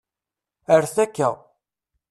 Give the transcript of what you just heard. Rret akka